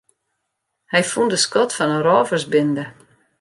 Hy fûn de skat fan in rôversbinde.